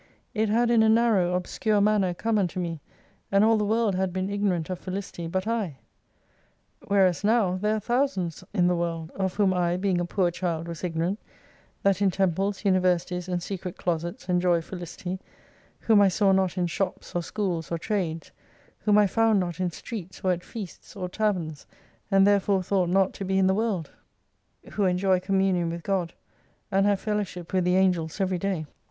It had in a narrow, obscure manner come unto me, and all the world had been ignorant of felicity bat I. Whereas now there are thousands in the world, of whom I, being a poor child, was ignorant, that in temples, universities, and secret closets enjoy felicity, whom I saw not in shops, or schools, or trades ; whom I found not in streets or at feasts, oi taverns, and therefore thought not to be in the world, who enjoy communion with God, and have fellowship with the Angels every day.